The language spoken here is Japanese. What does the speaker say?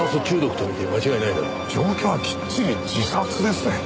状況はきっちり自殺ですね。